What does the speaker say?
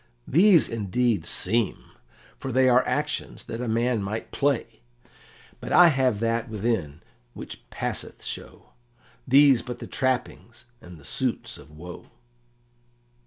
"These indeed 'seem,' for they are actions that a man might play. But I have that within which passeth show; these but the trappings and the suits of woe."